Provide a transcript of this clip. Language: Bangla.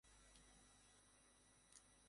সে কি বলে তা সে নিজেই জানে না, আর না আমরা বুঝি।